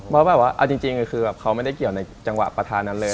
เพราะจริงเขามันไม่ได้เกี่ยวในการปาทานั้นเลย